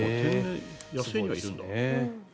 野生にはいるんだ。